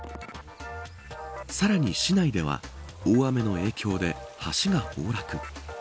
さらに、市内では大雨の影響で橋が崩落。